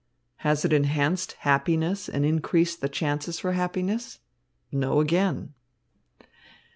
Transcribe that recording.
Has it enhanced happiness and increased the chances for happiness? No, again."